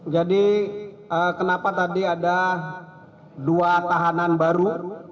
jadi kenapa tadi ada dua tahanan baru